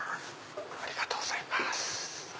ありがとうございます。